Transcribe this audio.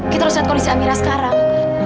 kita harus lihat kondisi amirah sekarang